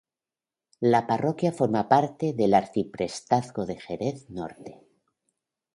La parroquia forma parte del Arciprestazgo de Jerez Norte.